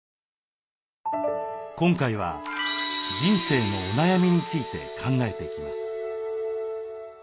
今回は人生のお悩みについて考えていきます。